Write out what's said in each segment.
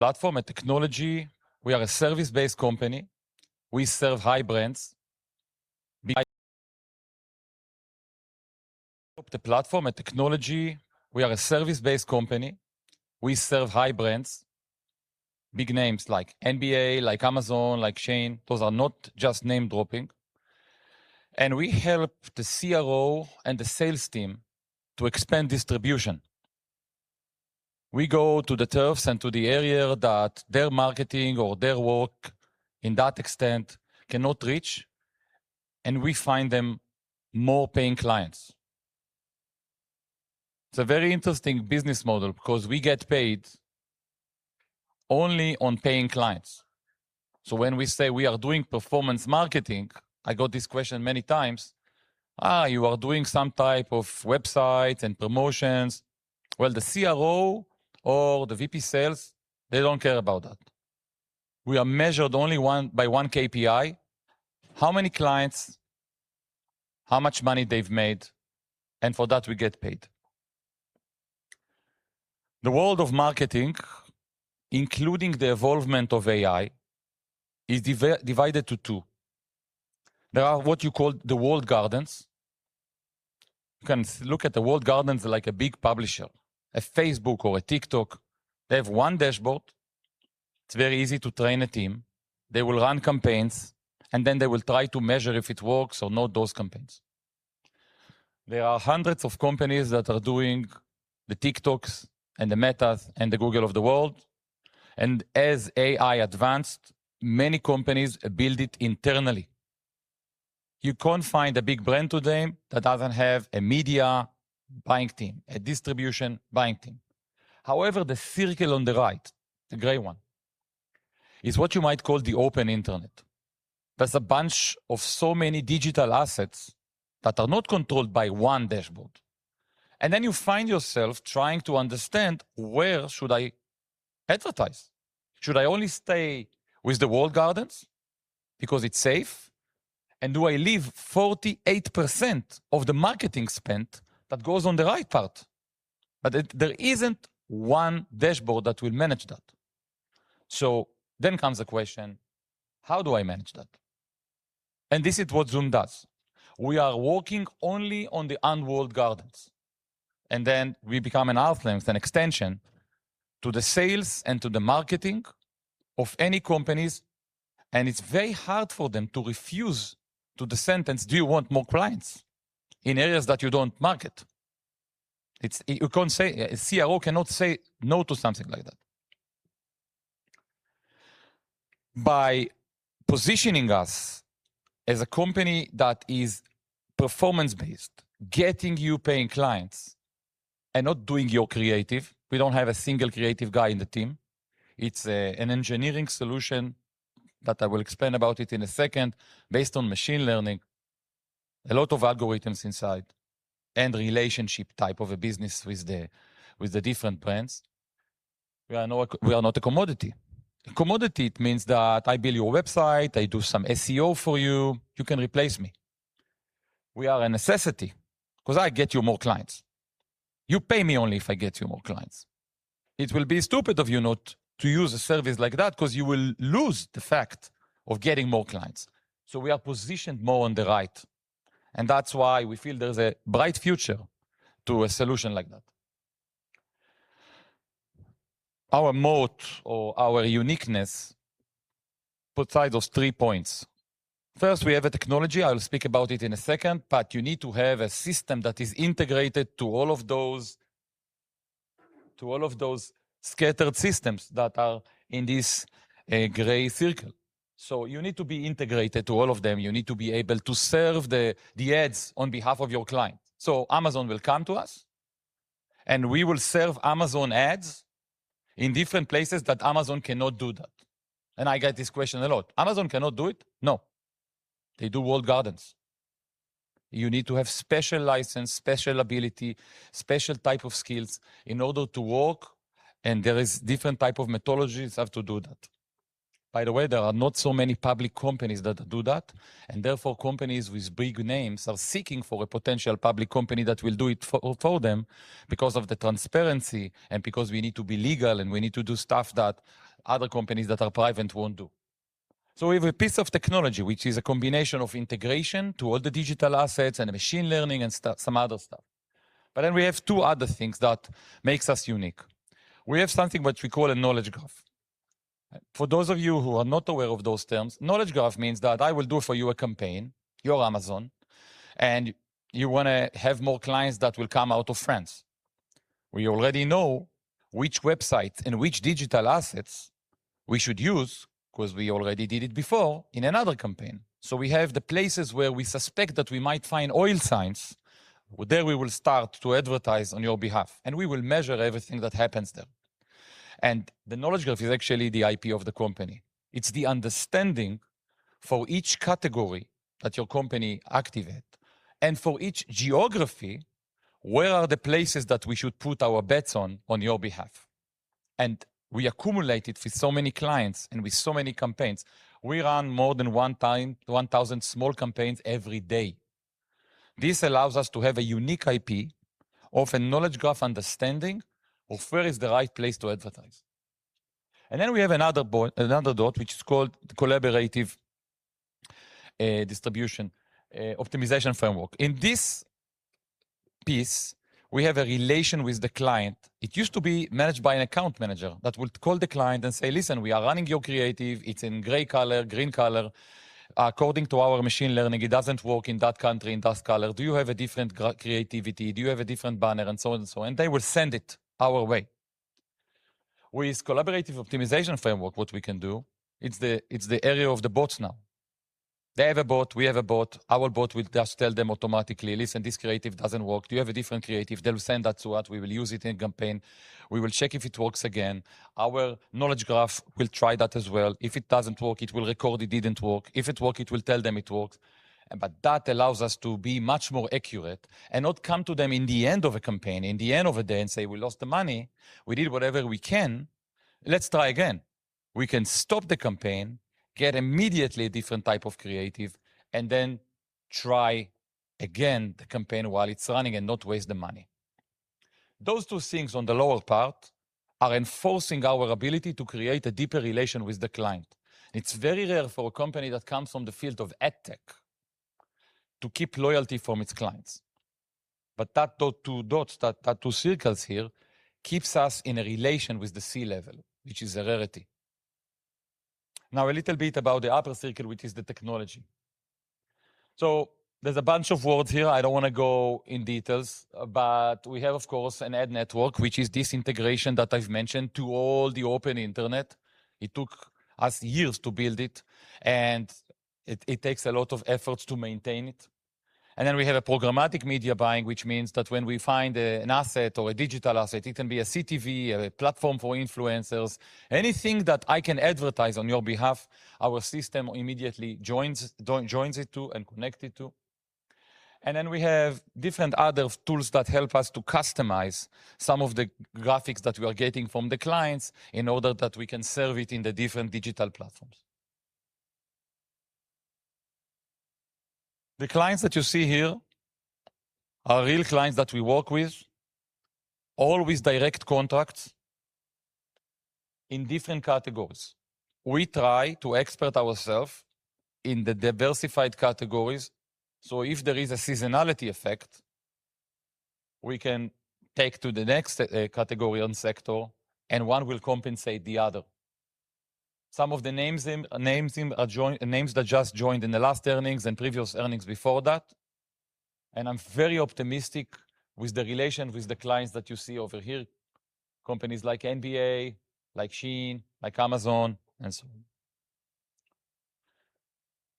Platform and technology. We are a service-based company. We serve high brands. The platform and technology. We are a service-based company. We serve high brands, big names like NBA, like Amazon, like Shein. Those are not just name-dropping. We help the CRO and the sales team to expand distribution. We go to the turfs and to the area that their marketing or their work, in that extent, cannot reach, and we find them more paying clients. It's a very interesting business model because we get paid only on paying clients. When we say we are doing performance marketing, I got this question many times, "You are doing some type of website and promotions." Well, the CRO or the Vice President of Sales, they don't care about that. We are measured only by one KPI, how many clients, how much money they've made, and for that, we get paid. The world of marketing, including the evolvement of AI, is divided into two. There are what you call the walled gardens. You can look at the walled gardens like a big publisher, a Facebook or a TikTok. They have one dashboard. It's very easy to train a team. They will run campaigns, they will try to measure if it works or not, those campaigns. There are hundreds of companies that are doing the TikToks and the Metas and the Google of the world, as AI advanced, many companies build it internally. You can't find a big brand today that doesn't have a media buying team, a distribution buying team. However, the circle on the right, the gray one, is what you might call the open internet. There's a bunch of so many digital assets that are not controlled by one dashboard. You find yourself trying to understand, where should I advertise? Should I only stay with the walled gardens because it's safe? Do I leave 48% of the marketing spent that goes on the right part? There isn't one dashboard that will manage that. Comes the question, how do I manage that? This is what Zoomd does. We are working only on the unwalled gardens, we become an arm's length, an extension, to the sales and to the marketing of any companies, it's very hard for them to refuse to the sentence, "Do you want more clients in areas that you don't market?" A CRO cannot say no to something like that. By positioning us as a company that is performance-based, getting you paying clients, and not doing your creative, we don't have a single creative guy in the team. It's an engineering solution that I will explain about it in a second, based on machine learning, a lot of algorithms inside, relationship type of a business with the different brands. We are not a commodity. A commodity, it means that I build your website, I do some SEO for you can replace me. We are a necessity because I get you more clients. You pay me only if I get you more clients. It will be stupid of you not to use a service like that because you will lose the fact of getting more clients. We are positioned more on the right, that's why we feel there's a bright future to a solution like that. Our moat or our uniqueness puts aside those three points. First, we have a technology. I'll speak about it in a second, you need to have a system that is integrated to all of those scattered systems that are in this gray circle. You need to be integrated to all of them. You need to be able to serve the ads on behalf of your client. Amazon will come to us, and we will serve Amazon ads in different places that Amazon cannot do that. I get this question a lot. Amazon cannot do it? No. They do walled gardens. You need to have special license, special ability, special type of skills in order to work, and there is different type of methodologies have to do that. By the way, there are not so many public companies that do that, companies with big names are seeking for a potential public company that will do it for them because of the transparency and because we need to be legal, and we need to do stuff that other companies that are private won't do. We have a piece of technology, which is a combination of integration to all the digital assets and machine learning and some other stuff. We have two other things that makes us unique. We have something which we call a knowledge graph. For those of you who are not aware of those terms, knowledge graph means that I will do for you a campaign, you're Amazon, and you want to have more clients that will come out of France. We already know which website and which digital assets we should use because we already did it before in another campaign. We have the places where we suspect that we might find oil signs. There we will start to advertise on your behalf, and we will measure everything that happens there. The knowledge graph is actually the IP of the company. It's the understanding for each category that your company activate. For each geography, where are the places that we should put our bets on your behalf? We accumulate it with so many clients and with so many campaigns. We run more than 1,000 small campaigns every day. This allows us to have a unique IP of a knowledge graph understanding of where is the right place to advertise. We have another dot, which is called collaborative distribution optimization framework. In this piece, we have a relation with the client. It used to be managed by an account manager that would call the client and say, "Listen, we are running your creative. It's in gray color, green color. According to our machine learning, it doesn't work in that country, in that color. Do you have a different creativity? Do you have a different banner?" They will send it our way. With collaborative optimization framework, what we can do, it's the area of the bots now. They have a bot, we have a bot. Our bot will just tell them automatically, "Listen, this creative doesn't work. Do you have a different creative?" They'll send that to us. We will use it in campaign. We will check if it works again. Our knowledge graph will try that as well. If it doesn't work, it will record it didn't work. If it work, it will tell them it works. That allows us to be much more accurate and not come to them in the end of a campaign, in the end of a day, and say, "We lost the money. We did whatever we can. Let's try again." We can stop the campaign, get immediately a different type of creative, then try again the campaign while it's running and not waste the money. Those two things on the lower part are enforcing our ability to create a deeper relation with the client. It's very rare for a company that comes from the field of ad tech to keep loyalty from its clients. That two dots, that two circles here, keeps us in a relation with the C-level, which is a rarity. A little bit about the upper circle, which is the technology. There's a bunch of words here. I don't want to go in details, we have, of course, an ad network, which is this integration that I've mentioned to all the open internet. It took us years to build it, and it takes a lot of efforts to maintain it. We have a programmatic media buying, which means that when we find an asset or a digital asset, it can be a CTV, a platform for influencers, anything that I can advertise on your behalf, our system immediately joins it too and connect it too. We have different other tools that help us to customize some of the graphics that we are getting from the clients in order that we can serve it in the different digital platforms. The clients that you see here are real clients that we work with, all with direct contracts in different categories. We try to expert ourself in the diversified categories, if there is a seasonality effect, we can take to the next category and sector, and one will compensate the other. Some of the names that just joined in the last earnings and previous earnings before that, I'm very optimistic with the relation with the clients that you see over here, companies like NBA, like Shein, like Amazon, and so on.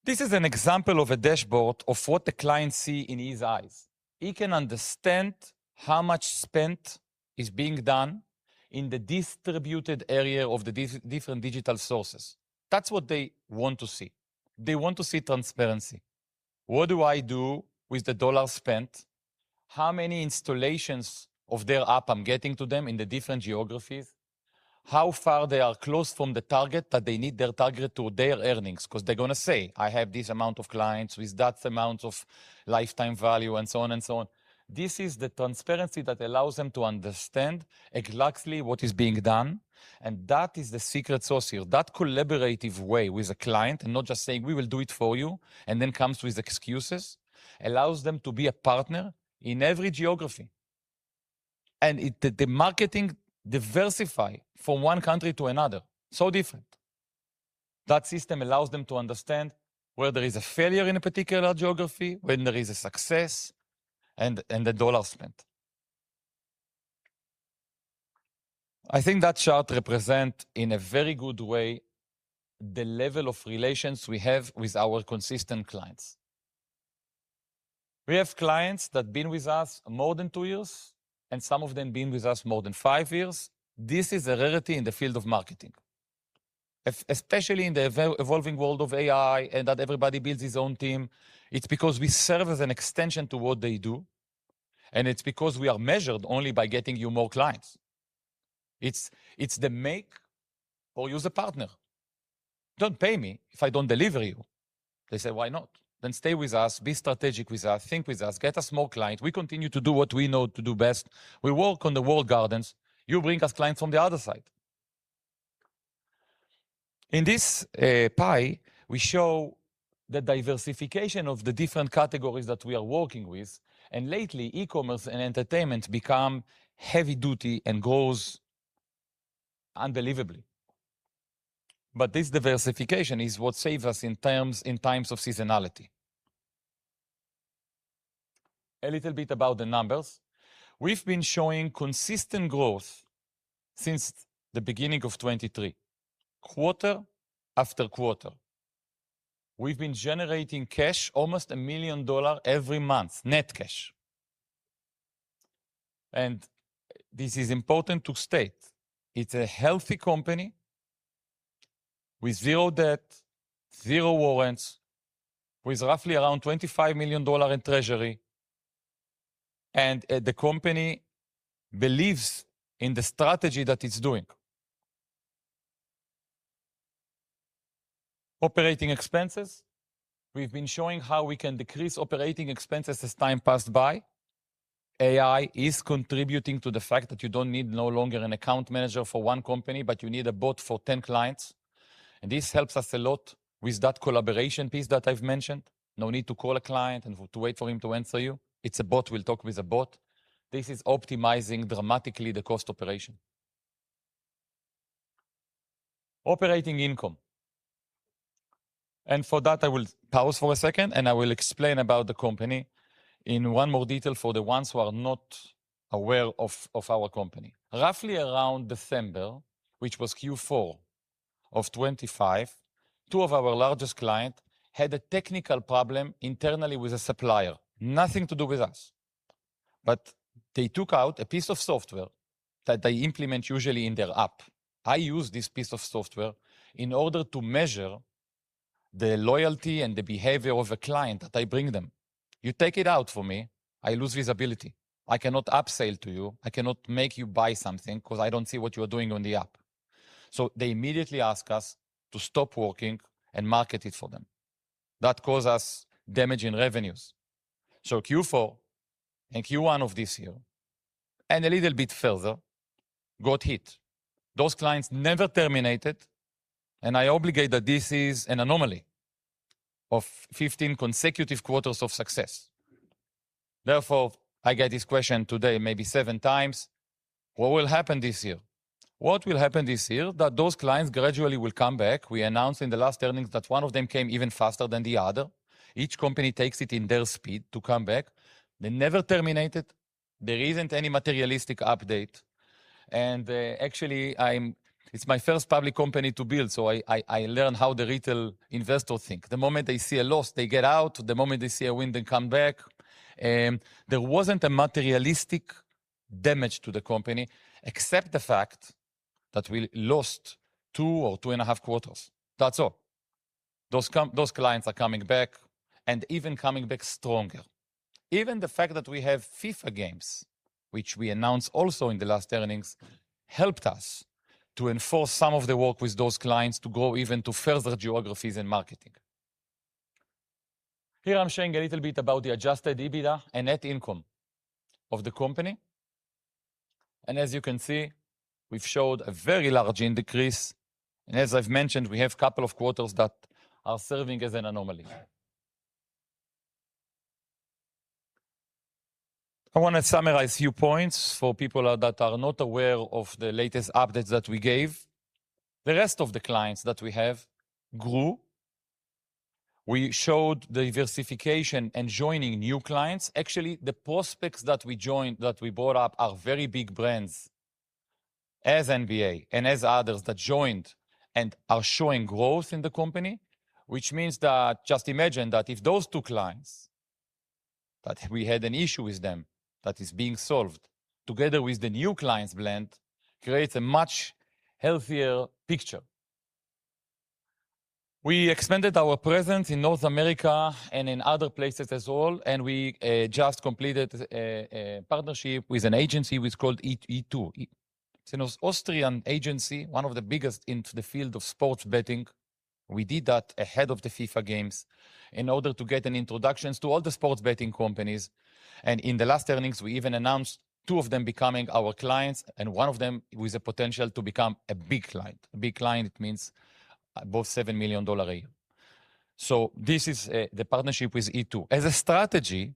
This is an example of a dashboard of what the client see in his eyes. He can understand how much spent is being done in the distributed area of the different digital sources. That's what they want to see. They want to see transparency. What do I do with the dollar spent? How many installations of their app I'm getting to them in the different geographies? How far they are close from the target that they need their target to their earnings? They're going to say, "I have this amount of clients with that amount of lifetime value," and so on and so on. This is the transparency that allows them to understand exactly what is being done, that is the secret sauce here. That collaborative way with a client and not just saying, "We will do it for you," then comes with excuses, allows them to be a partner in every geography. The marketing diversify from one country to another, so different. That system allows them to understand where there is a failure in a particular geography, when there is a success, and the dollar spent. I think that chart represent, in a very good way, the level of relations we have with our consistent clients. We have clients that been with us more than two years, and some of them been with us more than five years. This is a rarity in the field of marketing, especially in the evolving world of AI and that everybody builds his own team. It's because we serve as an extension to what they do, and it's because we are measured only by getting you more clients. It's the make or use a partner. Don't pay me if I don't deliver you. They say, "Why not? Stay with us, be strategic with us, think with us, get us more clients. We continue to do what we know to do best. We work on the walled gardens. You bring us clients on the other side." In this pie, we show the diversification of the different categories that we are working with, and lately, e-commerce and entertainment become heavy duty and grows unbelievably. This diversification is what save us in times of seasonality. A little bit about the numbers. We've been showing consistent growth since the beginning of 2023, quarter after quarter. We've been generating cash almost 1 million dollars every month, net cash. This is important to state, it's a healthy company with zero debt, zero warrants, with roughly around 25 million dollar in treasury. The company believes in the strategy that it's doing Operating expenses. We've been showing how we can decrease operating expenses as time passed by. AI is contributing to the fact that you don't need no longer an account manager for one company, but you need a bot for 10 clients, this helps us a lot with that collaboration piece that I've mentioned. No need to call a client and to wait for him to answer you. It's a bot, we'll talk with a bot. This is optimizing dramatically the cost operation. Operating income. For that, I will pause for a second and I will explain about the company in one more detail for the ones who are not aware of our company. Roughly around December, which was Q4 of 2025, two of our largest client had a technical problem internally with a supplier. Nothing to do with us. They took out a piece of software that they implement usually in their app. I use this piece of software in order to measure the loyalty and the behavior of a client that I bring them. You take it out for me, I lose visibility. I cannot upsell to you, I cannot make you buy something because I don't see what you are doing on the app. They immediately ask us to stop working and market it for them. That caused us damage in revenues. Q4 and Q1 of this year, and a little bit further, got hit. Those clients never terminated, and I obligate that this is an anomaly of 15 consecutive quarters of success. Therefore, I get this question today maybe seven times. What will happen this year? What will happen this year, that those clients gradually will come back. We announced in the last earnings that one of them came even faster than the other. Each company takes it in their speed to come back. They never terminated. There isn't any materialistic update. Actually, it's my first public company to build, so I learn how the retail investor think. The moment they see a loss, they get out. The moment they see a win, they come back. There wasn't a materialistic damage to the company, except the fact that we lost two or two and a half quarters. That's all. Those clients are coming back, and even coming back stronger. Even the fact that we have FIFA games, which we announced also in the last earnings, helped us to enforce some of the work with those clients to grow even to further geographies and marketing. Here I'm showing a little bit about the adjusted EBITDA and net income of the company. As you can see, we've showed a very large decrease. As I've mentioned, we have couple of quarters that are serving as an anomaly. I want to summarize a few points for people that are not aware of the latest updates that we gave. The rest of the clients that we have grew. We showed diversification and joining new clients. Actually, the prospects that we joined, that we brought up are very big brands as NBA and as others that joined and are showing growth in the company. Which means that just imagine that if those two clients that we had an issue with them that is being solved, together with the new clients blend, creates a much healthier picture. We expanded our presence in North America and in other places as well, and we just completed a partnership with an agency which is called E2. It's an Austrian agency, one of the biggest into the field of sports betting. We did that ahead of the FIFA games in order to get an introductions to all the sports betting companies. In the last earnings, we even announced two of them becoming our clients, and one of them with a potential to become a big client. A big client means above $7 million a year. This is the partnership with E2. As a strategy,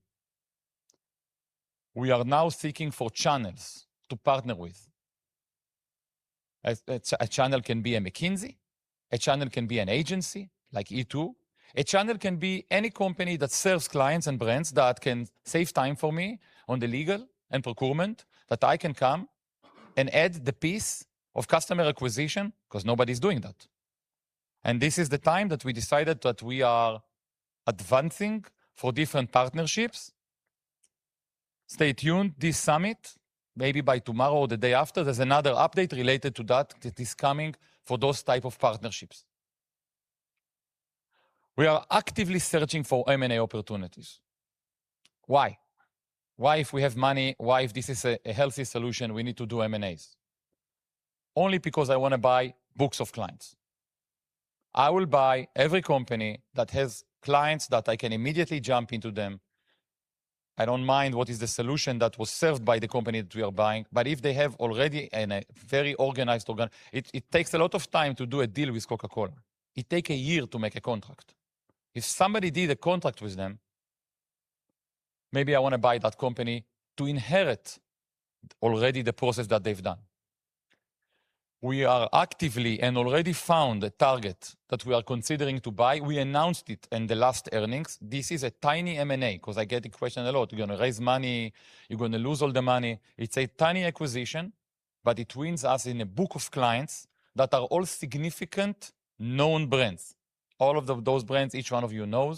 we are now seeking for channels to partner with. A channel can be a McKinsey, a channel can be an agency like E2. A channel can be any company that serves clients and brands that can save time for me on the legal and procurement, that I can come and add the piece of customer acquisition because nobody's doing that. This is the time that we decided that we are advancing for different partnerships. Stay tuned this summit, maybe by tomorrow or the day after, there's another update related to that that is coming for those type of partnerships. We are actively searching for M&A opportunities. Why? Why if we have money, why if this is a healthy solution, we need to do M&As? Only because I want to buy books of clients. I will buy every company that has clients that I can immediately jump into them. I don't mind what is the solution that was served by the company that we are buying, but if they have already a very organized org. It take a lot of time to do a deal with Coca-Cola. It take a year to make a contract. If somebody did a contract with them, maybe I want to buy that company to inherit already the process that they've done. We are actively and already found a target that we are considering to buy. We announced it in the last earnings. This is a tiny M&A, because I get the question a lot, "You're going to raise money, you're going to lose all the money." It's a tiny acquisition, but it wins us in a book of clients that are all significant known brands. All of those brands, each one of you knows,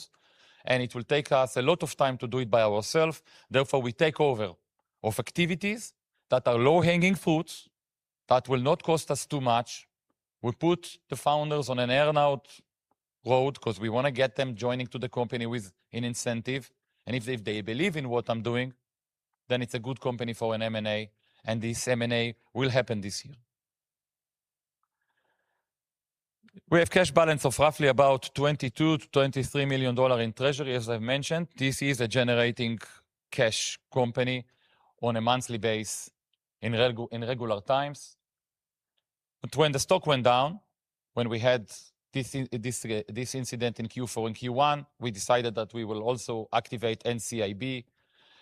it will take us a lot of time to do it by ourself. Therefore, we take over of activities that are low-hanging fruits that will not cost us too much. We put the founders on an earn-out road because we want to get them joining to the company with an incentive. If they believe in what I'm doing Then it's a good company for an M&A, and this M&A will happen this year. We have cash balance of roughly about 22 million to 23 million dollars in treasury, as I've mentioned. This is a generating cash company on a monthly basis in regular times. When the stock went down, when we had this incident in Q4 and Q1, we decided that we will also activate NCIB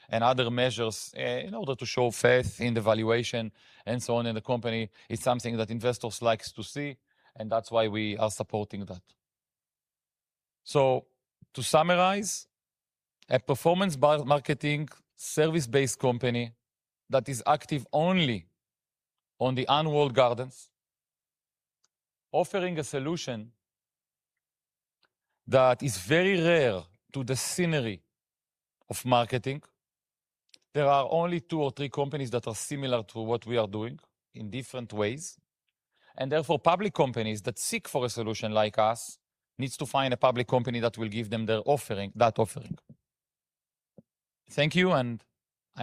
and other measures in order to show faith in the valuation and so on in the company. It's something that investors likes to see, and that's why we are supporting that. To summarize, a performance marketing service-based company that is active only on the unwalled gardens, offering a solution that is very rare to the scene of marketing. There are only two or three companies that are similar to what we are doing in different ways. Therefore, public companies that seek for a solution like us needs to find a public company that will give them that offering. Thank you. I'm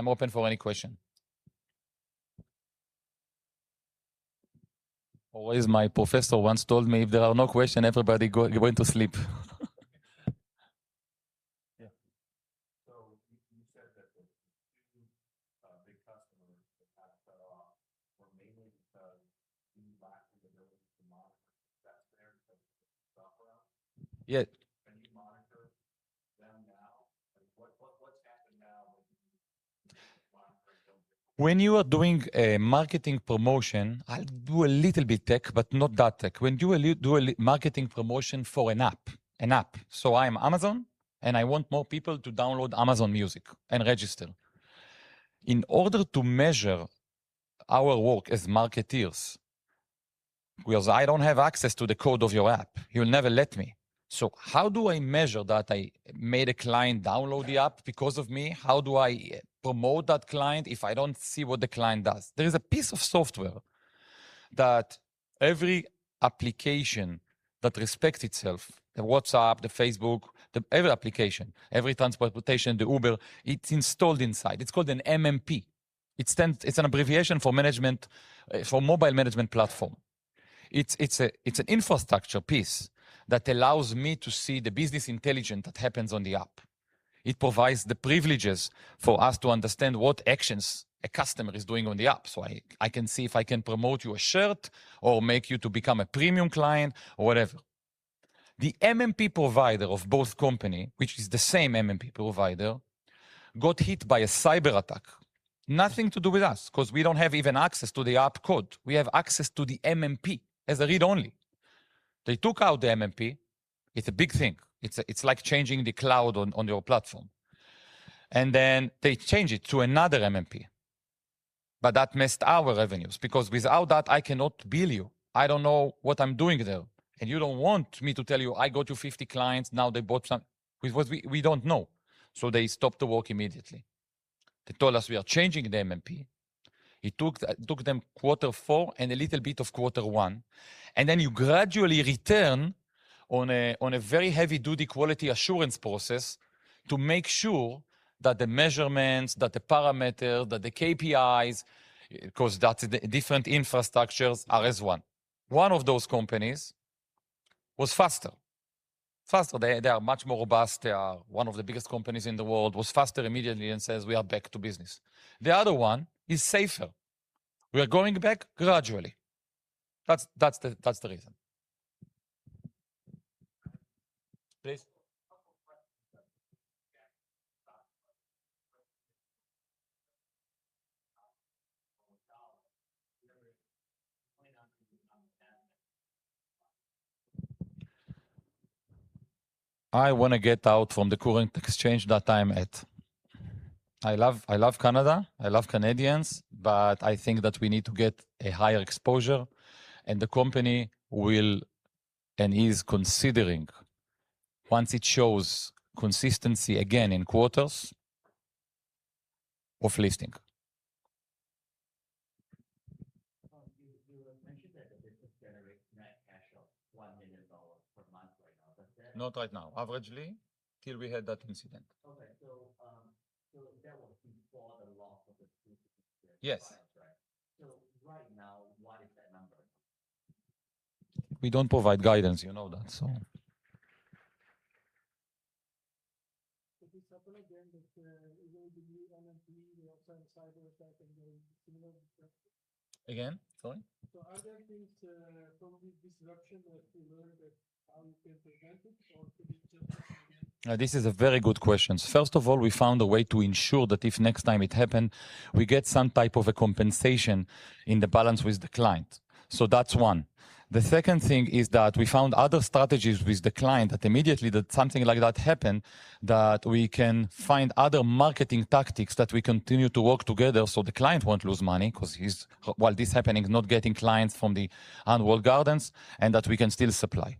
open for any question. Always my professor once told me, "If there are no question, everybody going to sleep. Yeah. You said that the two big customers that have cut off were mainly because you lacking the ability to monitor what's there because of the software? Yeah. Can you monitor them now? What's happened now when you monitor When you are doing a marketing promotion, I'll do a little bit tech, not that tech. When you do a marketing promotion for an app. I am Amazon, I want more people to download Amazon Music and register. In order to measure our work as marketeers, because I don't have access to the code of your app, you'll never let me. How do I measure that I made a client download the app because of me? How do I promote that client if I don't see what the client does? There is a piece of software that every application that respects itself, the WhatsApp, the Facebook, every application, every transportation, the Uber, it's installed inside. It's called an MMP. It's an abbreviation for Mobile Measurement Platform. It's an infrastructure piece that allows me to see the business intelligence that happens on the app. It provides the privileges for us to understand what actions a customer is doing on the app. I can see if I can promote you a shirt or make you to become a premium client or whatever. The MMP provider of both company, which is the same MMP provider, got hit by a cyber attack. Nothing to do with us because we don't have even access to the app code. We have access to the MMP as a read-only. They took out the MMP. It's a big thing. It's like changing the cloud on your platform. They change it to another MMP. That missed our revenues, because without that, I cannot bill you. I don't know what I'm doing there. You don't want me to tell you, "I got you 50 clients, now they bought some" We don't know. They stopped the work immediately. They told us we are changing the MMP. It took them quarter four and a little bit of quarter one, you gradually return on a very heavy-duty quality assurance process to make sure that the measurements, that the parameter, that the KPIs, because that different infrastructures are as one. One of those companies was faster. They are much more robust. They are one of the biggest companies in the world, was faster immediately and says, "We are back to business." The other one is safer. We are going back gradually. That's the reason. Please. Couple questions that. I want to get out from the current exchange that I'm at. I love Canada. I love Canadians. I think that we need to get a higher exposure and the company will, and is considering, once it shows consistency again in quarters, of listing. You had mentioned that the business generates net cash of CAD 1 million per month right now. Does that? Not right now. Averagely, till we had that incident. Okay. that was before the loss of the Yes. Right now, what is that number? We don't provide guidance, you know that, so Could this happen again, that, it will be new MMP, they also have cyber attack and the similar disruption? Again, sorry. Are there things from this disruption that you learned that how you can prevent it or could it just happen again? This is a very good question. First of all, we found a way to ensure that if next time it happen, we get some type of a compensation in the balance with the client. That's one. The second thing is that we found other strategies with the client that immediately that something like that happen, that we can find other marketing tactics that we continue to work together so the client won't lose money because he's, while this happening, is not getting clients from the open internet, and that we can still supply.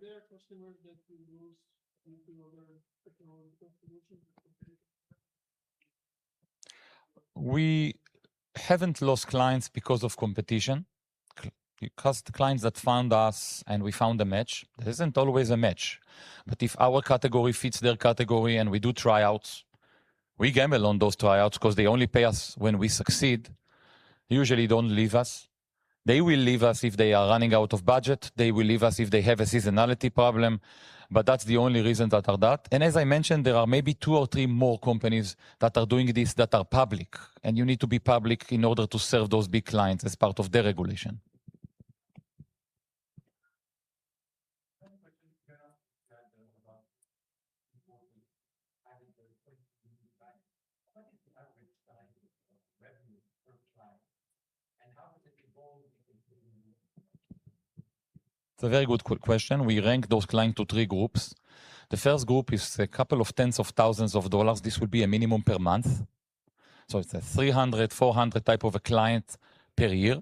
Besides this incident, you're an public company, so there are a lot of public company, they are all working okay. We haven't lost clients because of competition, because the clients that found us and we found a match, there isn't always a match. If our category fits their category and we do tryouts, we gamble on those tryouts because they only pay us when we succeed. Usually don't leave us. They will leave us if they are running out of budget, they will leave us if they have a seasonality problem, but that's the only reason that are that. As I mentioned, there are maybe two or three more companies that are doing this that are public, and you need to be public in order to serve those big clients as part of their regulation. It's a very good question. We rank those clients to three groups. The first group is a couple of tens of thousands of CAD. This will be a minimum per month. It's a 300,400 type of a client per year.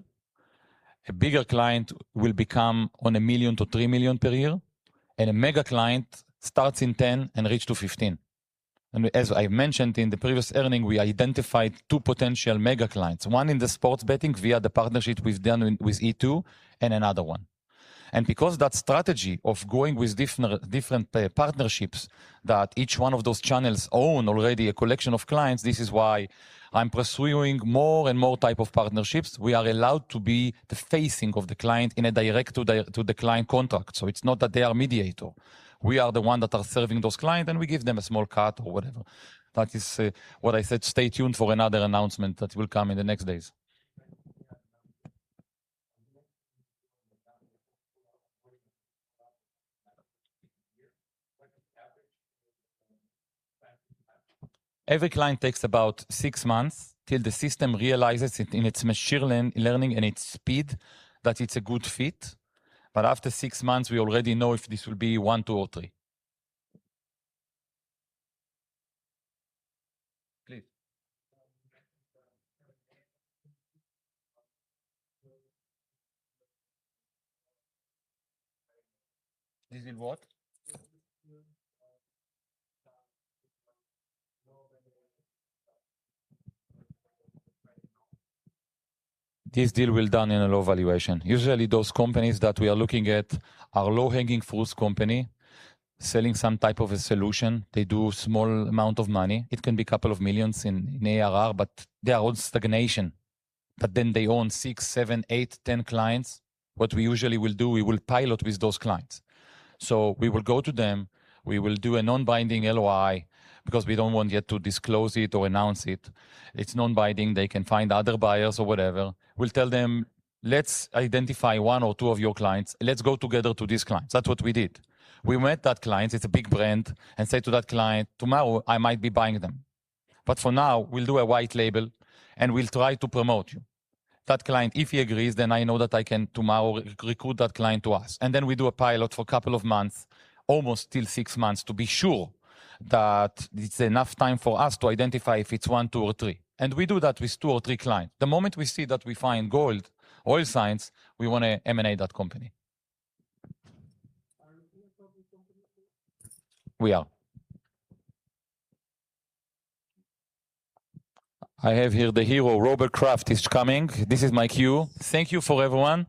A bigger client will become on 1 million to 3 million per year, a mega client starts in 10 million and reach to 15 million. As I mentioned in the previous earnings, we identified two potential mega clients, one in the sports betting via the partnership we've done with E2 and another one. Because that strategy of going with different partnerships, that each one of those channels own already a collection of clients, this is why I'm pursuing more and more type of partnerships. We are allowed to be the facing of the client in a direct to the client contract. It's not that they are mediator. We are the one that are serving those clients, and we give them a small cut or whatever. That is what I said, stay tuned for another announcement that will come in the next days. Every client takes about six months till the system realizes it in its machine learning and its speed that it's a good fit. After six months, we already know if this will be one, two, or three. Please. This will what? This deal will done in a low valuation. Usually, those companies that we are looking at are low-hanging fruits company selling some type of a solution. They do small amount of money. It can be couple of million in ARR, they are all stagnation. They own six, seven, eight, 10 clients. What we usually will do, we will pilot with those clients. We will go to them, we will do a non-binding LOI because we don't want yet to disclose it or announce it. It's non-binding. They can find other buyers or whatever. We'll tell them, "Let's identify one or two of your clients. Let's go together to these clients." That's what we did. We met that client, it's a big brand, and said to that client, "Tomorrow, I might be buying them. For now, we'll do a white label and we'll try to promote you." That client, if he agrees, then I know that I can tomorrow recruit that client to us. Then we do a pilot for a couple of months, almost till six months, to be sure that it's enough time for us to identify if it's one, two, or three. We do that with two or three clients. The moment we see that we find gold, oil signs, we want to M&A that company. We are. I have here the hero, Robert Kraft is coming. This is my cue. Thank you for everyone.